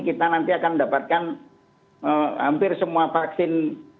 kita nanti akan mendapatkan hampir semua vaksin